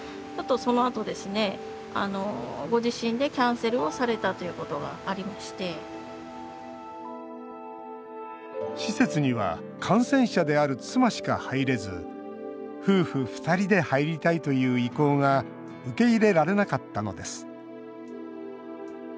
ホテル側は、療養施設に移動するように勧めましたが施設には感染者である妻しか入れず夫婦２人で入りたいという意向が受け入れられなかったのです。